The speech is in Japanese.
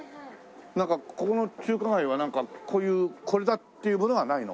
なんかここの中華街はこういうこれだっていうものはないの？